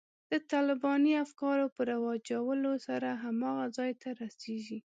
د طالباني افکارو په رواجولو سره هماغه ځای ته رسېږي.